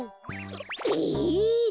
え！？